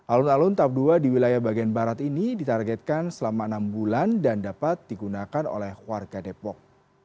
alun alun tap ii di wilayah barat ini ditargetkan selama enam bulan dan dapat digunakan oleh warga depok